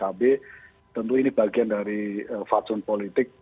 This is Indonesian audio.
jadi tentu ini bagian dari faksun politik